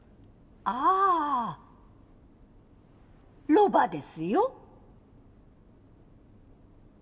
ああロバですよ。